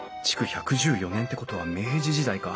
築１１４年ってことは明治時代か。